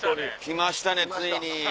来ましたねついに。